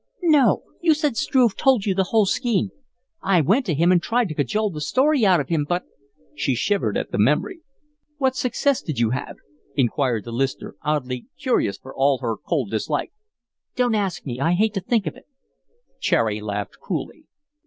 "No. You said Struve told you the whole scheme. I went to him and tried to cajole the story out of him, but " She shivered at the memory. "What success did you have?" inquired the listener, oddly curious for all her cold dislike. "Don't ask me. I hate to think of it." Cherry laughed cruelly.